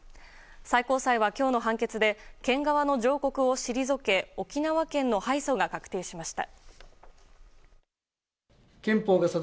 最高裁は今日の判決で県側の上告を退け沖縄県の敗訴が確定しました。